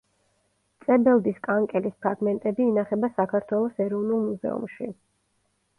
წებელდის კანკელის ფრაგმენტები ინახება საქართველოს ეროვნულ მუზეუმში.